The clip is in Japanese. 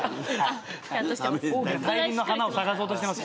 大輪の花を咲かそうとしてます。